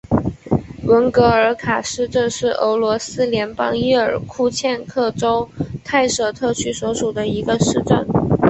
文格尔卡市镇是俄罗斯联邦伊尔库茨克州泰舍特区所属的一个市镇。